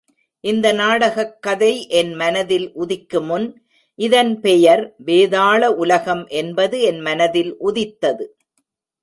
இந்த நாடகக் கதை என் மனத்தில் உதிக்குமுன், இதன் பெயர், வேதாள உலகம் என்பது என் மனத்தில் உதித்தது!